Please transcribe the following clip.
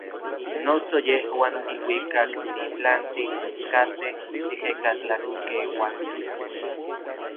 Noso yejuan iluikaktitlantij katej ejekatlakeualtij.